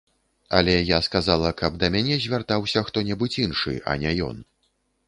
Але я сказала, каб да мяне звяртаўся хто-небудзь іншы, а не ён.